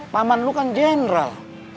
paman lo kan jenderal